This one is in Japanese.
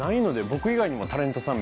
僕以外にもタレントさん